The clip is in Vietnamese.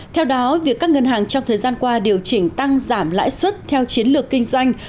theo đó việc các ngân hàng trong thời gian qua điều chỉnh tăng giảm lãi suất theo chiến lược kinh doanh